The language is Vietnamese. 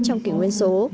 trong kỷ nguyên số